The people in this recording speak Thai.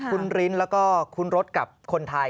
คุณริ้นแล้วก็คุณรถกับคนไทย